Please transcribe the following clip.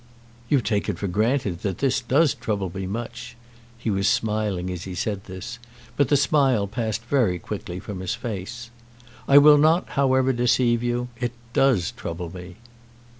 "You take it for granted that this does trouble me much." He was smiling as he said this, but the smile passed very quickly from his face. "I will not, however, deceive you. It does trouble me."